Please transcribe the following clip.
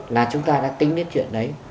là chúng ta đã tính đến chuyện đấy